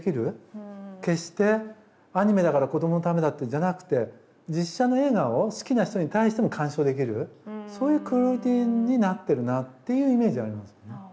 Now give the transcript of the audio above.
決してアニメだから子どものためだっていうんじゃなくて実写の映画を好きな人に対しても鑑賞できるそういうクオリティーになってるなあっていうイメージはありますよね。